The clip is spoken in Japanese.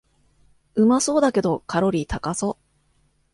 うまそうだけどカロリー高そう